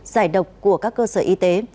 giải độc của các cơ sở y tế